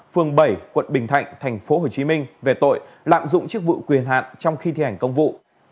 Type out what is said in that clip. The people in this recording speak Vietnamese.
phường bảy quận bình thạnh tp hcm về tội lạm dụng chức vụ quyền hạn trong khi thi hành công vụ